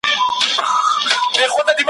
دا غزل مي د خپل زړه په وینو سره سوه ,